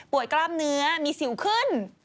กล้ามเนื้อมีสิวขึ้น